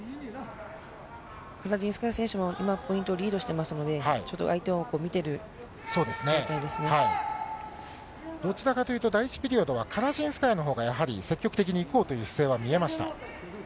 カラジンスカヤ選手も、今、ポイントがリードしてますので、どちらかというと、第１ピリオドはカラジンスカヤのほうが、やはり積極的にいこうという姿勢は見えました。